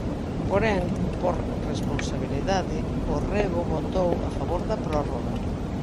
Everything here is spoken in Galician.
Porén, "por responsabilidade", o Rego votou a favor da prórroga.